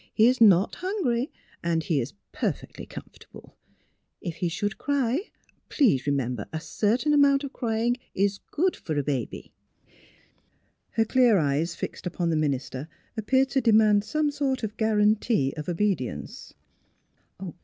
" He is not hungry and he is per fectly comfortable. If he should cry, please re member that a certain amount of crying is good for a baby." Her clear eyes fixed upon the minister ap peared to demand some sort of guarantee of obedience.